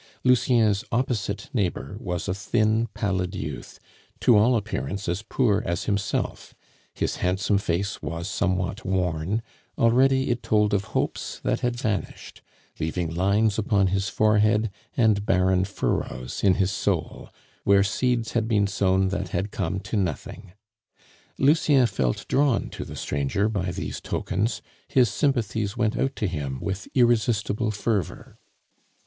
Lucien's opposite neighbor was a thin, pallid youth, to all appearance as poor as himself; his handsome face was somewhat worn, already it told of hopes that had vanished, leaving lines upon his forehead and barren furrows in his soul, where seeds had been sown that had come to nothing. Lucien felt drawn to the stranger by these tokens; his sympathies went out to him with irresistible fervor.